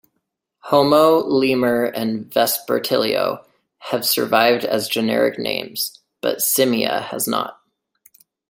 "Homo", "Lemur", and "Vespertilio" have survived as generic names, but "Simia" has not.